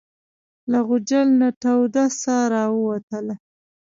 له غوجل نه توده ساه راووتله.